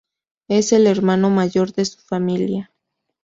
Es el hermano mayor de su familia.